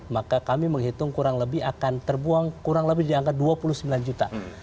maka kami menghitung kurang lebih akan terbuang kurang lebih di angka dua puluh sembilan juta